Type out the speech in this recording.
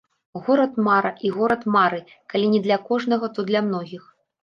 Горад-мара і горад мары калі не для кожнага, то для многіх.